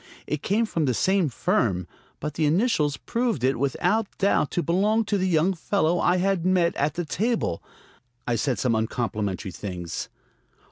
It came from the same firm, but the initials proved it without doubt to belong to the young fellow I had met at the table. I said some uncomplimentary things.